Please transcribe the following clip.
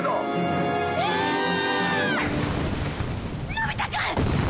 のび太くん！？